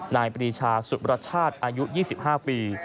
นายปรีชาสุมรชาติอายุ๒๕ปี